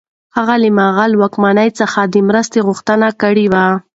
هغه له مغلي واکمن څخه د مرستې غوښتنه کړې وه.